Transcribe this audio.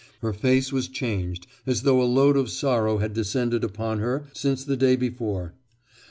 Her face was changed as though a load of sorrow had descended upon her since the day before.